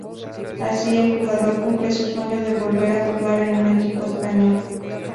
Así, el jugador cumple su sueño de volver a jugar en un equipo español.